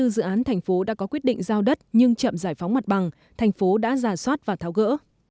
bốn mươi dự án thành phố đã có quyết định giao đất nhưng chậm giải phóng mặt bằng thành phố đã giả soát và tháo gỡ